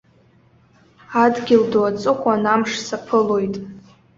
Адгьыл ду аҵыхәан амш саԥылоит.